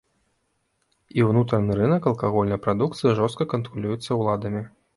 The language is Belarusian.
І ўнутраны рынак алкагольнай прадукцыі жорстка кантралюецца ўладамі.